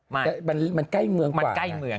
มันใกล้เมืองกว่า